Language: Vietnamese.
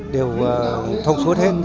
đều thông suốt hết